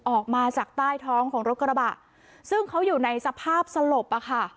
ออกมาจากใต้ท้องของรถกระบะซึ่งเขาอยู่ในสภาพสลบอะค่ะ